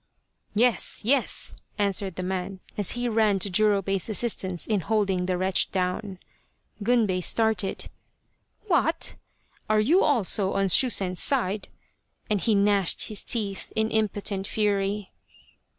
" Yes, yes !" answered the man, as he ran to Jurobei's assistance in holding the wretch down. Gunbei started. " What ? Are you also on Shusen's side ?" and he gnashed his teeth in impotent fury.